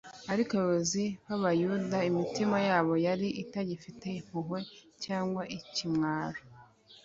ariko abayobozi b’abayuda imitima yabo yari itagifite impuhwe cyangwa ikimwaro